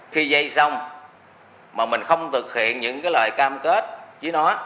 khi dây xong mà mình không thực hiện những lời cam kết với nó